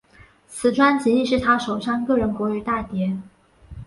此专辑亦是他首张个人国语大碟。